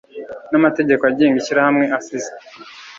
n amategeko agenga ishyirahamwe assist